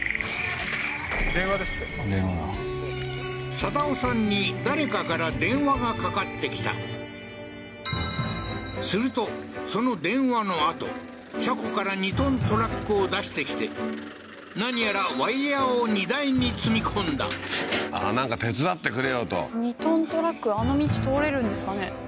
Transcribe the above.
電話ですって定夫さんに誰かから電話がかかってきたするとその電話のあと車庫から２ｔトラックを出してきて何やらワイヤーを荷台に積み込んだああなんか手伝ってくれよと２ｔトラックあの道通れるんですかね？